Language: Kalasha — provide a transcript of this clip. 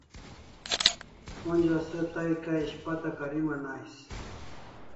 Onja se tai kai ishpata kariman ais